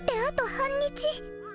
半日？